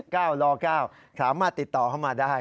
ก้าวลอก้าวถามมาติดต่อเข้ามาได้